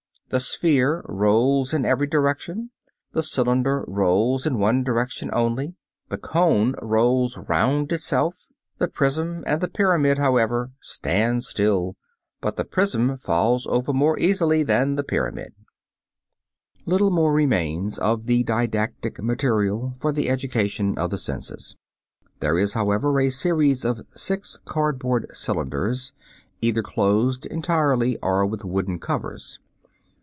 The sphere rolls in every direction; the cylinder rolls in one direction only; the cone rolls round itself; the prism and the pyramid, however, stand still, but the prism falls over more easily than the pyramid. [Illustration: FIG. 26. SOUND BOXES.] Little more remains of the didactic material for the education of the senses. There is, however, a series of six cardboard cylinders, either closed entirely or with wooden covers.